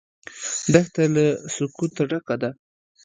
دښته له سکوته ډکه ده.